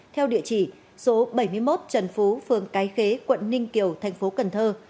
theo địa chỉ số bảy mươi một trần phú phường cái khế quận ninh kiều tp cần thơ